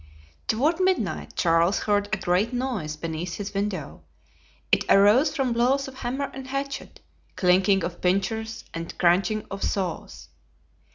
Toward midnight Charles heard a great noise beneath his window. It arose from blows of hammer and hatchet, clinking of pincers and cranching of saws.